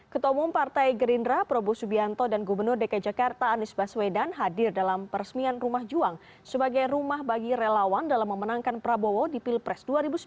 ketua umum partai gerindra prabowo subianto dan gubernur dki jakarta anies baswedan hadir dalam peresmian rumah juang sebagai rumah bagi relawan dalam memenangkan prabowo di pilpres dua ribu sembilan belas